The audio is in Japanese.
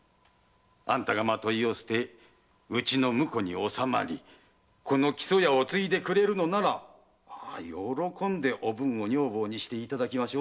あんたが纏を捨てうちの婿におさまりこの木曽屋を継いでくれるのなら喜んでおぶんを女房にしていただきます。